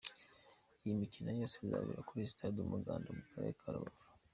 Iyi mikino yose izabera kuri Stade Umuganda mu Karere ka Rubavu.